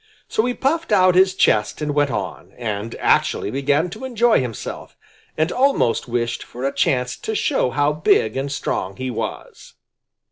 So he puffed out his chest and went on, and actually began to enjoy himself, and almost wished for a chance to show how big and strong he was.